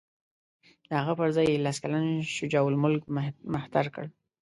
د هغه پر ځای یې لس کلن شجاع الملک مهتر کړ.